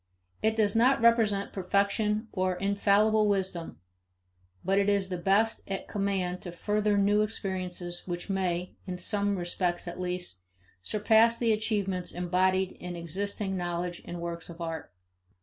It does not represent perfection or infallible wisdom; but it is the best at command to further new experiences which may, in some respects at least, surpass the achievements embodied in existing knowledge and works of art.